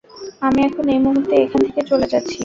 আমি এখন এই মুহূর্তে এখান থেকে চলে যাচ্ছি।